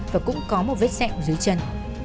và cũng có một vết sạch dưới chân